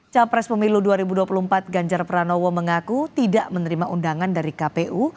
capres pemilu dua ribu dua puluh empat ganjar pranowo mengaku tidak menerima undangan dari kpu